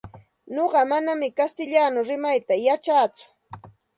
Nuqa manam kastilla rimayta yachatsu.